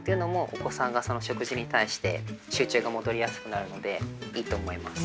お子さんがその食事に対して集中が戻りやすくなるのでいいと思います。